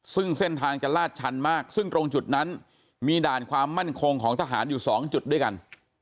ซึ่งเส้นทางจะลาดชันมากซึ่งตรงจุดนั้นมีด่านความมั่นคงของทหารอยู่๒จุดด้วยกัน